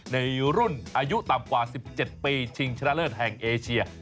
ในรุ่นอายุต่ำกว่า๑๗ปีชิงชนะเลิศแห่งเอเชีย